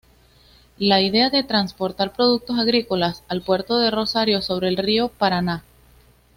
La idea de transportar productos agrícolas al puerto de Rosario sobre el Río Paraná.